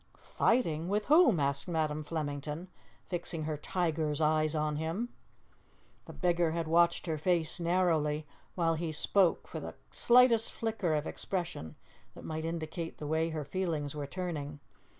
"Fighting? With whom?" asked Madam Flemington, fixing her tiger's eyes on him. The beggar had watched her face narrowly while he spoke for the slightest flicker of expression that might indicate the way her feelings were turning.